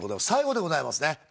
最後でございますね。